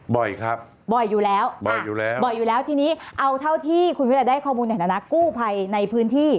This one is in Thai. บ่อยครับบ่อยอยู่แล้วบ่อยอยู่แล้วบ่อยอยู่แล้วทีนี้เอาเท่าที่คุณวิรัติได้ข้อมูลในฐานะกู้ภัยในพื้นที่